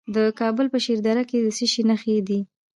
د کابل په شکردره کې د څه شي نښې دي؟